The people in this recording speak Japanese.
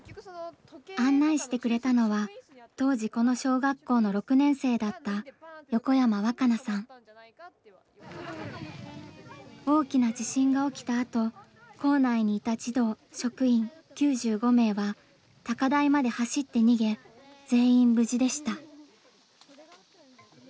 案内してくれたのは当時この小学校の６年生だった大きな地震が起きたあと校内にいた児童・職員９５名は高台まで走って逃げ全員無事でした。